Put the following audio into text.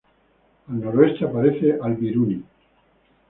Al noreste aparece Al-Biruni.